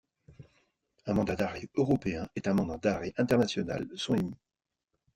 Un mandat d'arrêt européen et un mandat d'arrêt international sont émis.